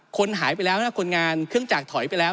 คนหายไปแล้วนะคนงานเครื่องจักรถอยไปแล้ว